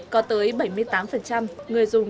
có tới bảy mươi tám người dùng